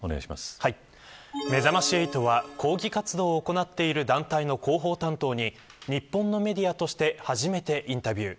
めざまし８は抗議活動を行っている団体の広報担当に日本のメディアとして初めてインタビュー。